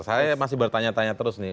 saya masih bertanya tanya terus nih